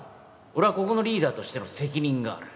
俺はここのリーダーとしての責任がある。